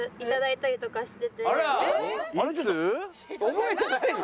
覚えてないの？